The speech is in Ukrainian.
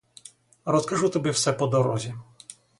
Розкажу тобі все по дорозі.